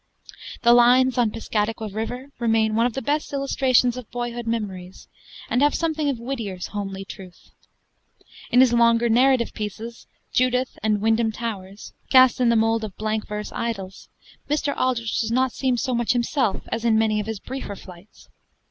The lines on 'Piscataqua River' remain one of the best illustrations of boyhood memories, and have something of Whittier's homely truth. In his longer narrative pieces, 'Judith' and 'Wyndham Towers,' cast in the mold of blank verse idyls, Mr. Aldrich does not seem so much himself as in many of his briefer flights.